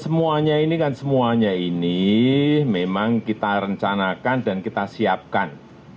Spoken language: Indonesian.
semuanya ini kan semuanya ini memang kita rencanakan dan kita siapkan